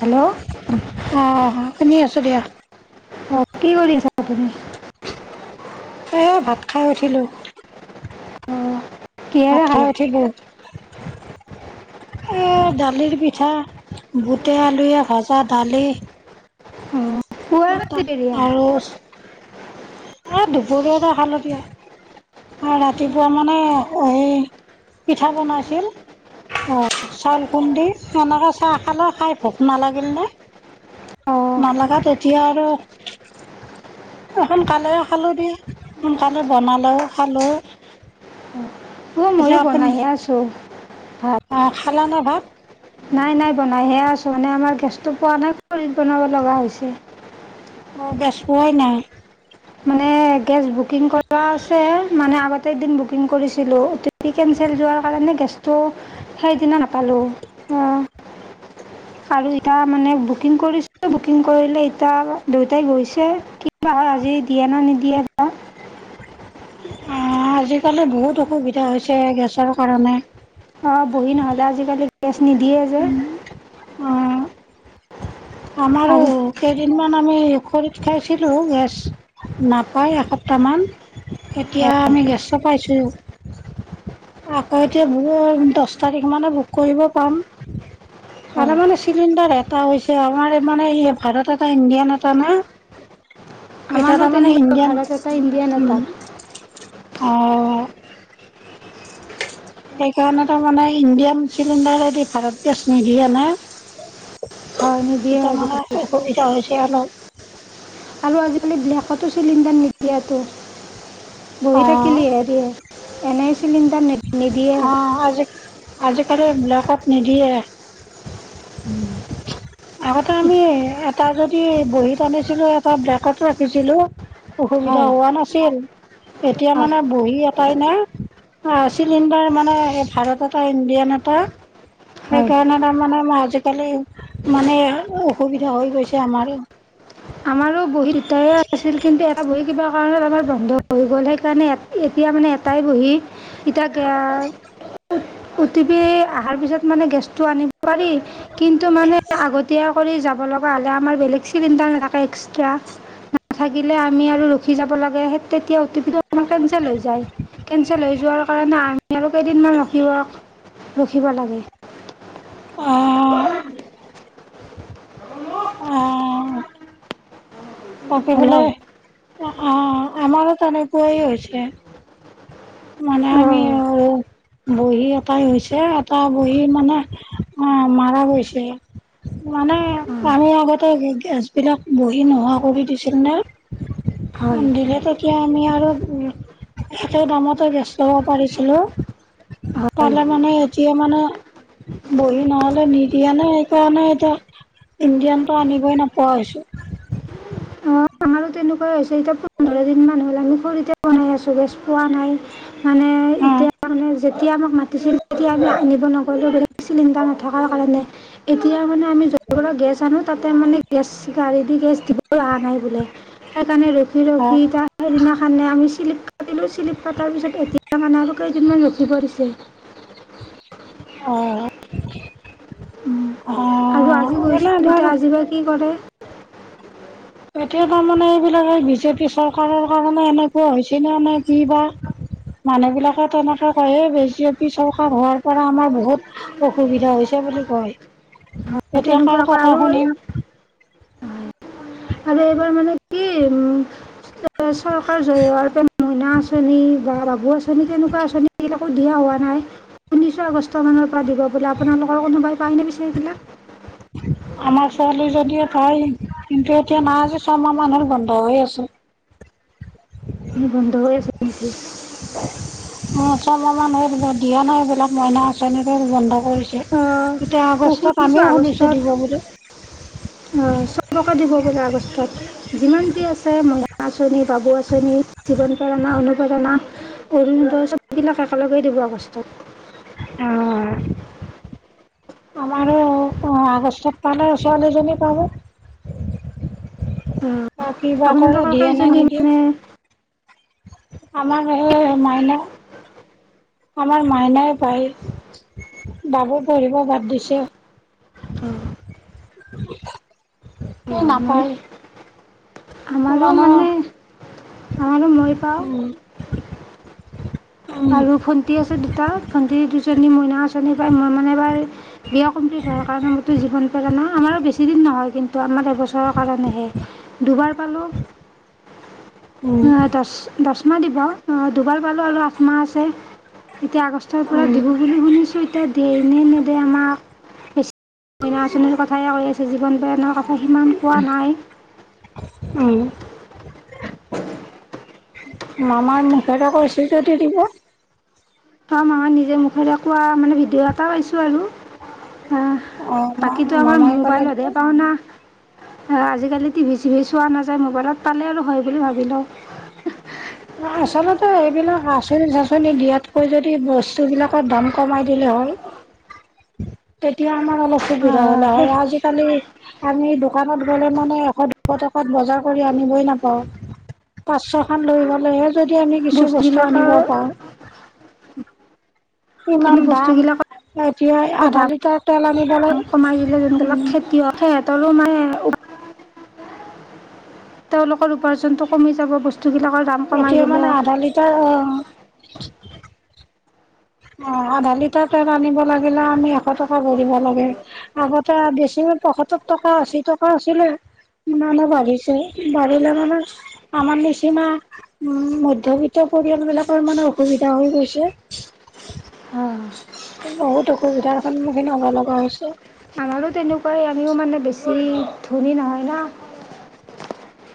Hello! অ শুনি আছো দিয়া। অ কি কৰি আছা তুমি? এই ভাত খাই উঠিলো। অঁ ভাত কিহেৰে খালে খাই উঠিলো। এ দালিৰ পিঠা, বুটে আলুৱে ভজা, দালি [unintelligible] [unintelligible] এই দুপৰীয়াতে, খালোঁ দিয়া। এ ৰাতিপুৱা মানে, সেই পিঠা বনাইছিল। অঁ চাউল খুন্দি, এনেকে চাহ খালোঁ, খাই ভোক নালাগিল নে। অঁ নালাগাত, এতিয়া আৰু সোনকালেও খালোঁ দিয়া, সোনকালে বনালেও, খালোঁ। অ', মইয়ো বনাইহে আছোঁ। ভাত অ', খালানে ভাত? নাই, নাই, বনাইহে আছোঁ, মানে আমাৰ গেছটো পোৱা নাই, খৰিত বনাব লগা হৈছে। অ', গেছ পোৱাই নাই। মানে গেছ বুকিং কৰা আছে, মানে আগতে আগতে এদিন বুকিং কৰিছিলোঁ, অ'টি পি কেনঞ্চেল যোৱাৰ কাৰণে, গেছটো সেইদিনা নাপালোঁ, অ', আৰু ইটা মানে বুকিং কৰিছোঁ। বুকিং কৰিলে, এতিয়া দেউতাই গৈছে, কিবা হয় আজি, দিয়ে না নিদিয়ে। বা অ', আজিকালি বহুত অসুবিধা হৈছে, গেছৰ কাৰণে। অ', বহি নহ'লে আজিকালি, গেছ নিদিয়ে যে। উম। আমাক। আৰু। কেইদিনমান আমি খৰিত খাইছিলোঁ, গেছ নাপায় এসপ্তাহ মান। এতিয়া, হয় আমি গেছটো পাইছোঁ। আকৌ এতিয়া, বুক, দহ তাৰিখ মানে বুক কৰিব পাম। আৰু হয় মানে চিলিণ্ডাৰ এটা হৈছে, আমাৰে মানে, ভাৰত এটা, ইণ্ডিয়ান এটা না। এতিয়া আমাৰো তাৰমানে তেনেকুৱা ইণ্ডিয়ান, ভাড়াত এটা ইণ্ডিয়ান এটা উম, অ'। সেইকাৰণে, তাৰমানে ইণ্ডিয়ান চিলিণ্ডাৰে দি, ভাৰত গেছ নিদিয়ে না। হয় নিদিয়ে এতিয়া মানে, আজিকালি অসুবিধা হৈছে অলপ। আৰু আজিকালি, ব্লেকতো চিলিণ্ডাৰ নিদিয়েটো, বহি অ থাকিলি হে দিয়ে। এনে। অ', আজি, আজিকালি ব্লেকত নিদিয়ে। উম। আগতে আমি, এটা যদি বহীত আনিছিলোঁ, এটা ব্লেকত ৰাখিছিলোঁ। অসুবিধা হয় হোৱা নাছিল, এতিয়া হয় মানে, বহী এটাই না। অ', চিলিণ্ডাৰ মানে, এই ভাৰত এটা, ইণ্ডিয়ান এটা। হয় সেইকাৰণে, তাৰমানে আজিকালি মানে, অসুবিধা হৈ গৈছে আমাৰ। আমাৰো বহী দুটাৰে আছিল, কিন্তু এটা বহী কিবা কাৰণত, এবাৰ বন্ধ হৈ গ'ল, সেইকাৰণে এ এতিয়া মানে এটাই বহী, এতিয়া গে অটিপি অহাৰ পিছত মানে, গেছটো আনিব পাৰি। কিন্তু মানে, আগতীয়া কৰি যাব লগা হ'লে, আমাৰ বেলেগ চিলিণ্ডাৰ নাথাকে, এক্স [unintelligible] নাথাকিলে আমি আৰু ৰখি যাব লাগে, সেই তেতিয়া অটিপিটো আমাৰ কেনঞ্চেল হৈ যায়, কেনঞ্চেল হৈ যোৱাৰ কাৰণে, আমি আৰু কেইদিনমান ৰখিব ৰখিব লাগে। অ'। অ'। তাকে হেল্ল' বোলে, অঁ অ', আমাৰো তেনেকুৱাই হৈছে। মানে আমিও বহী এটাই হৈছে এটা বহী মানে মাৰা গৈছে মানে অঁ আমি আগতে গেছ বিলাক বহি নোহোৱা কৰি দিছিল নে? হয় দিলে তেতিয়া আমি আৰু একে দামতে গেছ ল'ব পাৰিছিলোঁ। হয় পালে মানে এতিয়া মানে বহী নহ'লে নিদিয়ে নে সেইকাৰণে এতিয়া ইণ্ডিয়ানটো আনিবই নোপোৱা হৈছো। অঁ আমাৰো তেনেকুৱাই হৈছে এতিয়া পোন্ধৰ দিন মান হ'ল আমি খৰিতে বনাই আছো গেছ পোৱা নাই। মানে অ এতিয়া মানে যেতিয়া আমাক মাতিছিল তেতিয়া আমি আনিব নগ'লো চিলিণ্ডাৰ নথকাৰ কাৰণে। এতিয়া মানে আমি য'ৰপৰা গেছ আনো তাতে মানে গেছ গাড়ী গেছ দিবলে অহা নাই বোলে সেইকাৰণে ৰখি অ অ ৰখি এতিয়া সেইদিনাখনেই আমি চিলিণ্ডাৰ [unintelligible] তাৰ পিছত এতিয়া মানে আৰু কেইদিনমান ৰখিব দিছে। অ', অ' [unintelligible] ইবাৰ কি কৰে। এতিয়া তাৰ মানে এইবিলাক এই বিজেপি চৰকাৰৰ কাৰণে এনে কুৱা হৈছেনে নে কি বা? মানুহ বিলাকে তেনেকে কয়ে বিজেপি চৰকাৰ হোৱাৰ- পৰা আমাৰ বহুত অসুবিধা হৈছে বুলি কয় হয় এতিয়া কাৰ তেনেকুৱাকৈ কথা আৰু শুনিম? হয় আৰু এইবাৰ মানে কি উম চৰকাৰ জয়ী হোৱাৰ পৰা মইনা আঁচনি বা বাবু আঁচনি তেনেকুৱা আঁচনি একো দিয়া হোৱা নাই ঊনৈছ আগষ্ট মানৰ পৰা দিব বোলে আপোনালোকৰ কোনোবাই পায়নে পিছে এইবিলাক? আমাৰ ছোৱালী জনীয়ে পায়। কিন্তু এতিয়া নাই আজি ছমাহ মান হ'ল বন্ধ হৈ আছে। উম বন্ধ হৈ আছে নেকি? অ', ছমাহ মান হ'ল দিয়া নাই এইবিলাক মইনা আচ চনিটো বন্ধ কৰিছে এতিয়া অঁ আগষ্টত ঊনৈছ আমিও শুনিছো দিব বুলি। উম, চবকে দিব বোলে আগষ্টত। যিমান যি আছে মইনা আঁচনি বাবু আঁচনি জীৱন প্ৰেৰণা অনুপ্ৰেৰণা অৰুনোদয় চববিলাক একেলগে দিব আগষ্টত অ',। আমাৰো অ', আগষ্টত পালে ছোৱালীজনী পাব। অ', কিবা কৰে আপোনালোকৰ দিয়ে নে কেইজনী নিদিয়ে? মানে আমাৰ হেই মাইনা আমাৰ মাইনাই পায়, বাবু পঢ়িব বাদ দিছে। [inaudible] এই নাপায়। আমাৰো জানো মানে আমাৰো মই পাওঁ। উম উম আৰু ভণ্টি আছে দুটা। ভণ্টি দুজনী মইনা আঁচনি পাই মই মানে এবাৰ বিয়া কমপ্লিট হোৱাৰ কাৰণে মোৰতো জীৱন প্ৰেৰণা আমাৰো বেচিদিন নহয় কিন্তু তো আমাৰ এবছৰৰ কাৰণেহে দুবাৰ পালোঁ উম অ দছ দহ মাহ দিব অ' দুবাৰ পালো আৰু আ- এতিয়া আগষ্টৰ পৰা উম দিব বুলি শুনিছোঁ। এতিয়া দিয়ে নে নিদিয়ে আমাক বেছি মহিলা আঁচনিৰ কথা হে কৈ আছে জীৱন প্ৰেৰনাৰ কথা- সিমান কোৱা নাই। উম মামাৰ মুখেৰে কৈছিল যদি দিব। অ' মামাই নিজে মুখৰে কোৱা মানে ভিডিঅ' এটা পাইছোঁ আৰু। আহ অ মা বাকীটো আমাৰ মামাই ক'লে দিব মোবাইলতহে পাওনা। সেয়া আজিকালি টিভি চিভি চোৱা নাযায় মোবাইলত পালে আৰু হয় বুলি ভাবি লওঁ। আচলতে এইবিলাক আচনি চাচনি দিয়াতকৈ যদি বস্তুবিলাক দাম কমাই দিলে হয়। তেতিয়া আমাৰ অলপ সুবিধা হ'ল সেই হয় আজিকালি আমি দোকানত গ'লে মানে এশ দুশ টকাত বজাৰ কৰি আনিবই নাপাওঁ। পাঁচ ছখন লৈ গ'লেহে যদি আমি কিছু বস্তু বস্তুবিলাকৰ আনিব পাওঁ। [inaudible] ইমান কিন্তু দাম বস্তুবিলাকৰ এতিয়া আধা দাম লিটাৰ তেল আনিবলৈ কমাই দিলে যোনবিলাক উম। [inaudible] তেওঁলোকৰ উপাৰ্জনটো কমি যাব বস্তুবিলাকৰ কমাই এতিয়া দিলে। মানে [inaudible] অ', আধা লিটাৰ তেল আনিব লাগিলে আমি এশ টকা ভৰিব লাগে। আগতে বেছি পয়সত্তৰ টকা আশী টকা আছিলে। ইমানেই বাঢ়িছে বাঢ়িলে মানে আমাৰ নিচিনা উম মধ্যবিত্ত পৰিয়ালবিলাকৰ মানে অসুবিধা হৈ গৈছে। বহুত অসুবিধাৰ সন্মুখীন হ'ব লগা হৈছে। আমাৰো তেনেকুৱাই আমিও মানে বেছি ধনী নহয় ন।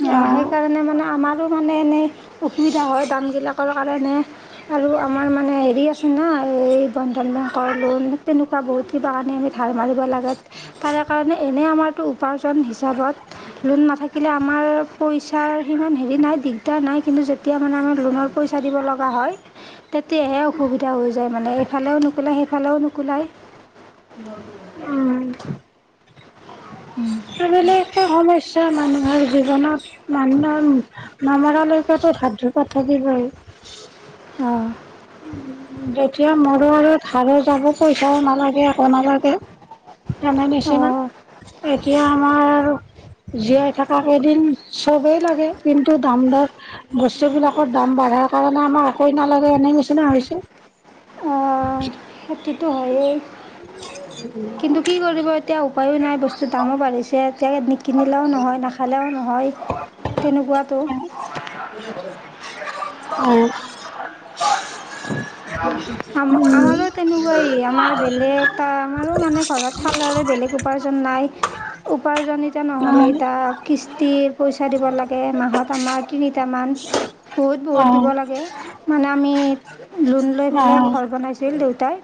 অ', আহ সেইকাৰণে মানে আমাৰো মানে এনেই অসুবিধা হয় দামবিলাকৰ কাৰণে। আৰু আমাৰ হেৰি আছে ন এই বন্ধন বেংকৰ লোন তেনেকুৱা বহুত কিবা কাৰনে আম ধাৰ মাৰিব লাগে তাৰে কাৰণে এনে আমাৰ আমাৰটো উপাৰ্জন হিচাপত লোন নাথাকিলে আমাৰ পইচাৰ সিমান হেৰি নাই দিগদাৰ নাই কিন্তু তেতিয়া মানে আমাৰ লোনৰ পইচা দিব হয়। তেতিয়াহে অসুবিধা হৈ যায় মানে এইফালেও নোকোলাই সেইফালেও নোকোলাই। উম। উম। সেইফালে একো সমস্যা নাই মানুহৰ জীৱনত মানুহৰ নামৰালৈকে [unintelligible] থাকিবই। উম। উম, যেতিয়া মোৰো আৰু ধাৰ যাব পইচাও নালাগে একো নালাগে। জানা নিচিনা এতিয়া আমাৰ আৰু জীয়াই থকা কেইদিন চবেই লাগে কিন্তু দাম দৰ বস্তুবিলাকৰ দাম বঢ়াৰ কাৰণে আমাৰ একো নালাগে এনে নিচিনা হৈছে। [inaudible] সেইটো হয়ে কিন্তু কি কৰিব এতিয়া উপায়ো নাই বস্তু দামত বাঢ়িছে এতিয়া নিকিনিলেও নহয় তেনেকুৱাতো। উম। আম উম। আমাৰো তেনেকুৱাই আমাৰ বেলেগ এটা আমাৰো মানে ঘৰৰ ফালৰে বেলেগ উপাৰ্জন নাই। [inaudible] উপাৰ্জনিতা নহ'লে এতিয়া কিস্তিৰ পইচা দিব লাগে মাহত আমাৰ তিনিটামান। বহুত বহুত দিব অ', লাগে মানে আমি লোন লৈ অ', পেলাই অ', ঘৰ বনাইছিল দেউতাই।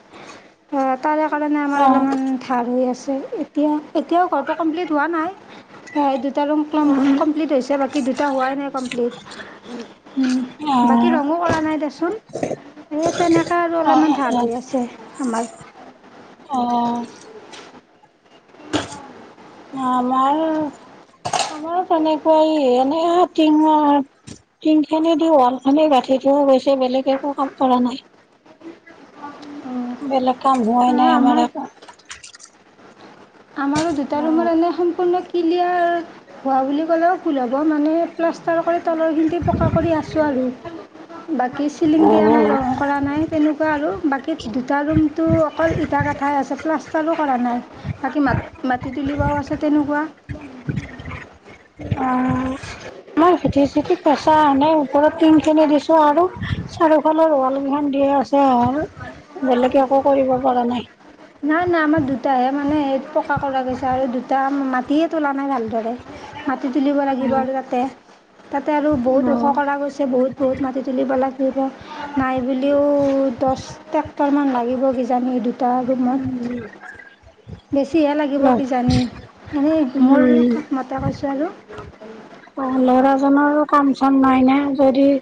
তাৰে কাৰণে আমাৰ অলপমান ধাৰ হৈ আছে এতিয়া এতিয়াও ঘৰটো কমপ্লিট হোৱা নাই। দুটা ৰুম উম, কম-কমপ্লিট হৈছে বাকী দুটা হোৱাই নাই কমপ্লিট। বাকী অ', ৰঙো কৰা নাই দেচোন। এই তেনেকে আৰু অলপমান অ', ধাৰ অ', হৈ আছে আমাৰ। অঁ। আমাৰ, আমাৰ তেনেকুৱাই এনে টিঙৰ। টিংখিনি দি ৱাল খনে গাঁঠিটোও গৈছে বেলেগ একো কাম কৰা নাই। বেলেগ কাম হোৱাই নাই আমাৰ একো। আমাৰো দুটা ৰুমৰ এনে সম্পূৰ্ণ ক্লিয়াৰ হোৱা বুলি ক'লেও ভুল হ'ব। মানে- প্লাষ্টাৰ কৰি তলৰ খিনি পকা কৰি আছোঁ আৰু বাকী চিলিং দিয়া নাই অ' ৰহ। কৰা নাই তেনেকুৱা আৰু বাকী দুটা ৰুমটো অকল ইটা গাঠাই আছে, প্লাষ্টাৰো কৰা নাই। বাকী মা -মাটি তুলিবাও আছে তেনেকুৱা। অঁ। আমাৰ চিটি- চিঠি পচা এনেই ওপৰত টিন খিনি দিছো আৰু চাৰিওফালৰ ৱাল কেইখন দিয়ে আছে। হ'ল, বেলেগে একো কৰিব পৰা নাই। নাই- নাই আমাৰ দুটাহে মানে সেই পকা কৰা গৈছে আৰু দুটা মাটিয়ে তোলা নাই ভালদৰে। মাটি তুলিব লাগিব আৰু তাতে, তাতে আৰু বহুত ওখ কৰা গৈ- ছে, বহুত -বহুত মাটি তুলিব লাগিব নাই বুলিও দহ- ট্ৰেক্টৰ মান লাগিব কিজানি এই দুটা ৰুমত। বেছিহে লাগিব অ' কিজানি, এনেই মোৰ উম মতে কৈছোঁ আৰু। অঁ, ল'ৰাজনৰো কাম চাম নাই ন। যদি-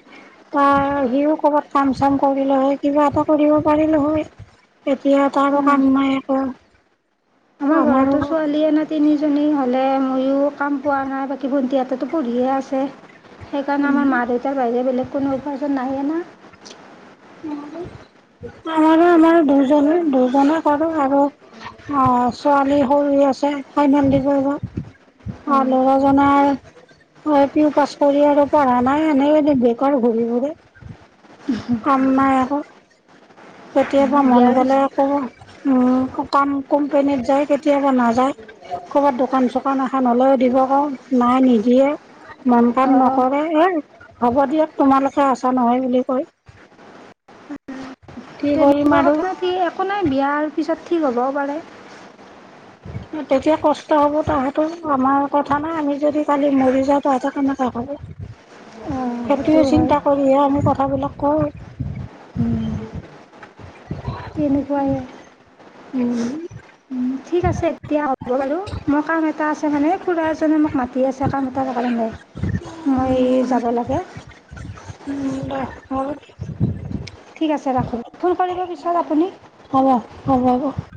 তাৰ সিও কৰ'বাত কাম-চাম কৰিলে হয়, কিবা এটা কৰিব পাৰিলোঁ হয়। এতিয়া তাৰ কথা আৰু নাই একো। আমাৰ আমাৰো ঘৰতো ছোৱালীয়ে না। তিনিজনী হ'লে মইয়ো কাম পোৱা নাই, বাকী ভণ্টিহঁতে তো পঢ়িহে আছে। সেইকাৰণে আমাৰ মা- দেউতাৰ বাদে বেলেগ কোনো উপাৰ্জন নাহে না। আমাৰ- আমাৰ দুজনৰ দুজনৰ কৰো আৰু- অঁ, ছোৱালী সৰু আছে ফাইনেল দিব এইবাৰ। অঁ, ল'ৰা - জনৰ এল পি পাছ কৰি আৰু পঢ়া নাই, এনেই এ বেকাৰ ঘূৰি ফুৰে। উম। কাম নাই একো। কেতিয়াবা মন বিয়াৰ গলে পিছত কৰে উম, কাম কোম্পনীত যায়। কেতিয়াবা নাযায়। ক'ৰবাত দোকান চোকান এখন হ'লেও দিব কওঁ, নাই নিদিয়ে। মন -পণ অঁ নকৰে, এ হ'ব দিয়ক তোমালোকে আছ নহয় বুলি কয়। কি কৰিম তেনেকুৱা আৰু কথাতে একো নাই বিয়াাৰ পিছত ঠিক হ'বও পাৰে। তেতিয়া কষ্ট হ'ব তাহাঁতৰ। আমাৰ কথা নাই আমি যদি কালি মৰি যাওঁ, তাহাঁতে কেনেকুৱা হ'ব। অঁ সেইটোও সেইটোৱে হয় চিন্তা কৰিহে আমি কথাবিলাক কওঁ। উম, তেনেকুৱাই। উম। ঠিক আছে এতিয়া হ'ব বাৰু, মই কাম- এটা আছে মানে এই খুৰা এজনে মোক মাতি আছে কাম এটা কাৰণে মই যাব লাগে। মোলে হ'ল। ঠিক আছে ৰাখোঁ। ফোন কৰিব পিছত আপুনি। হ'ব- হ'ব -হ'ব।